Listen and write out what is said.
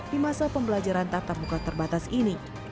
di masa pembelajaran tatap muka terbatas ini